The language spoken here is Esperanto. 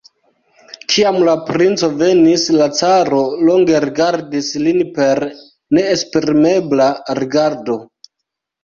Kiam la princo venis, la caro longe rigardis lin per neesprimebla rigardo.